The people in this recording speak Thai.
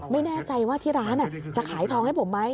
ไม่แน่ใจว่าที่ร้านจะขายทองให้ผมไหม